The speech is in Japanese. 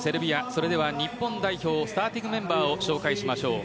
それでは日本代表スターティングメンバーを紹介しましょう。